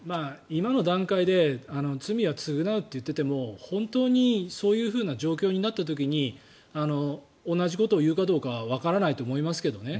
今の段階で罪は償うと言っていても本当にそういう状況になった時に同じことを言うかどうかはわからないと思いますけどね。